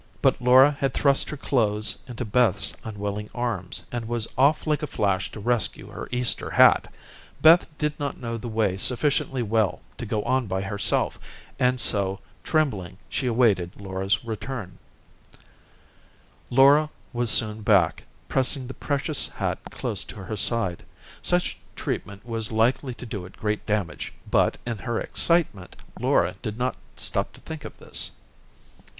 But Laura had thrust her clothes into Beth's unwilling arms, and was off like a flash to rescue her Easter hat. Beth did not know the way sufficiently well to go on by herself, and so, trembling, she awaited Laura's return. [Illustration: Laura Corner in the treasured Easter hat.] Laura was soon back, pressing the precious hat close to her side. Such treatment was likely to do it great damage, but, in her excitement, Laura did not stop to think of this.